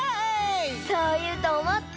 そういうとおもって。